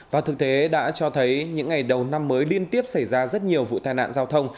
và thực tế đã cho thấy những ngày đầu năm mới liên tiếp xảy ra rất nhiều vụ tai nạn giao thông